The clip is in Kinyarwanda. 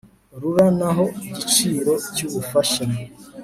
RURA naho igiciro cy ubufasha